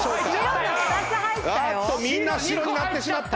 みんな白になってしまった！